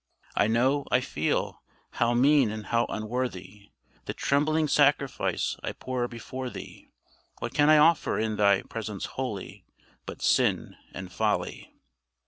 I know, I feel, how mean and how unworthy The trembling sacrifice I pour before Thee; What can I offer in Thy presence holy, But sin and folly?